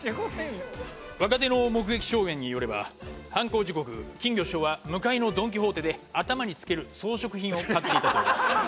若手の目撃証言によれば犯行時刻金魚師匠は向かいのドン・キホーテで頭に着ける装飾品を買っていたという事です。